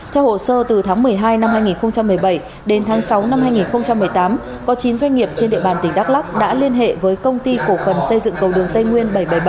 theo hồ sơ từ tháng một mươi hai năm hai nghìn một mươi bảy đến tháng sáu năm hai nghìn một mươi tám có chín doanh nghiệp trên địa bàn tỉnh đắk lắk đã liên hệ với công ty cổ phần xây dựng cầu đường tây nguyên bảy trăm bảy mươi bảy